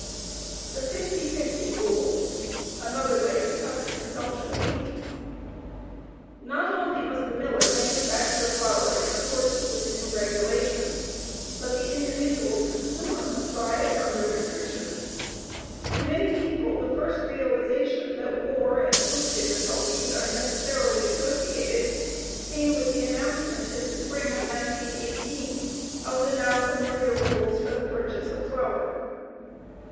THE 50 50 RULE. ANOTHER WAY TO CUT THE CONSUMPTION OF WHEAT NOT ONLY MUST THE MILLER MANUFACTURE FLOUR IN ACCORDANCE WITH NEW REGULATIONS, BUT THE INDIVIDUAL CONSUMER MUST BUY IT UNDER RESTRICTIONS. To many people the first realization that war and food difficulties are necessarily associated, came with the announcement in the spring of 1918 of the now familiar rules for the purchase of flour.